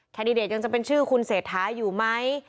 แดดิเดตยังจะเป็นชื่อคุณเศรษฐาอยู่ไหม